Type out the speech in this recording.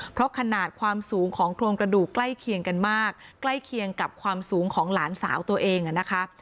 เพราะขนาดความสูงของโครงกระดูกใกล้เคียงกันมากใกล้เคียงกับความสูงของหลานสาวตัวเองนะคะ